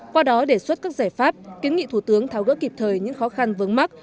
qua đó đề xuất các giải pháp kiến nghị thủ tướng tháo gỡ kịp thời những khó khăn vướng mắt